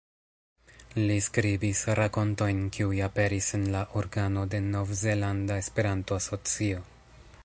Li skribis rakontojn kiuj aperis en la organo de Novzelanda Esperanto-Asocio.